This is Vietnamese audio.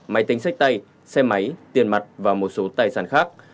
máy tính sách tay xe máy tiền mặt và một số tài sản khác